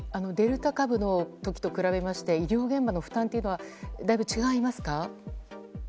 デルタ株の時と比べまして医療現場の負担はだいぶ違いますか？